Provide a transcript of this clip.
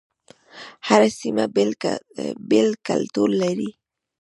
هر سيمه بیل کلتور لري